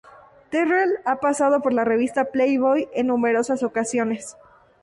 Terrell ha posado para la revista Playboy en numerosas ocasiones.